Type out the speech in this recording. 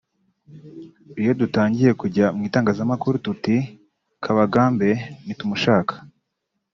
Iyo dutangiye kujya mu itangazamakuru tuti ’Kabagambe ntitumushaka